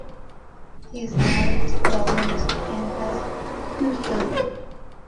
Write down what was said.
He is married to Dolly Misri and has two children.